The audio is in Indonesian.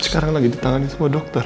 sekarang lagi ditangani dokter